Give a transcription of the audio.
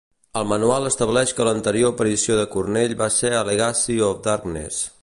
El manual estableix que l'anterior aparició de Cornell va ser a Legacy of Darkness.